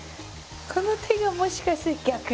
この手がもしかして逆。